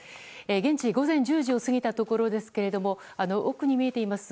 現地、午前１０時を過ぎたところですが奥に見えています